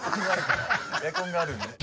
エアコンがあるんで。